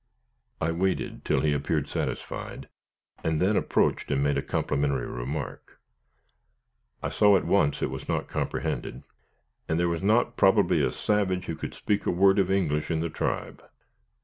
I waited till he appeared satisfied, and then approached and made a complimentary remark; I saw at once it was not comprehended, and there was not probably a savage who could speak a word of English in the tribe.